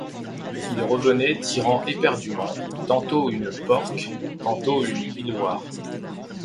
Il revenait tirant éperdument, tantôt une porque, tantôt une hiloire.